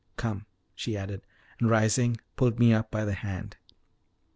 Come," she added, and, rising, pulled me up by the hand.